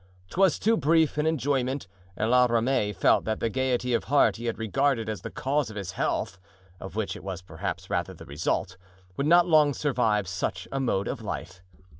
'Twas too brief an enjoyment, and La Ramee felt that the gayety of heart he had regarded as the cause of health (of which it was perhaps rather the result) would not long survive such a mode of life.